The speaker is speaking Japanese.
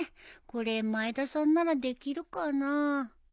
これ前田さんならできるかなあ。